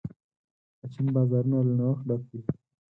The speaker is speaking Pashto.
د چین بازارونه له نوښت ډک دي.